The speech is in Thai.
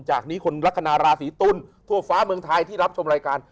จากนี้คนลักษณะราศีตุ้นทั่วฟ้าเมืองไทยที่รับชมรายการ